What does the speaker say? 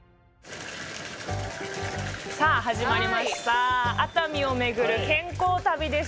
さあ始まりました熱海を巡る健康旅です。